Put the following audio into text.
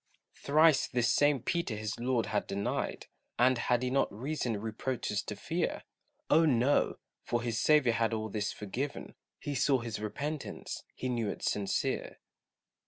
Thrice this same Peter his Lord had denied, And had he not reason reproaches to fear? Oh, no! for his Saviour had all this forgiven, He saw his repentance, he knew it sincere.